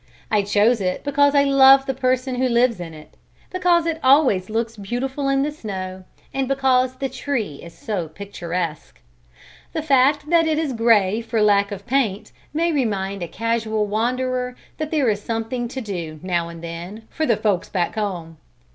I chose it because I love the person who lives in it; because it always looks beautiful in the snow, and because the tree is so picturesque. The fact that it is gray for lack of paint may remind a casual wanderer that there is something to do, now and then, for the "folks back home."